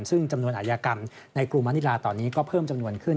ซึ่งจำนวนอายกรรมในกรุงมะนิลาตอนนี้ก็เพิ่มจำนวนขึ้น